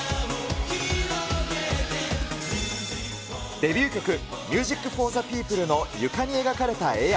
デビュー曲、ＭＵＳＩＣＦＯＲＴＨＥＰＥＯＰＬＥの床に描かれた絵や、